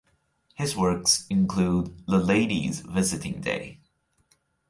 His works include "The Ladies Visiting Day".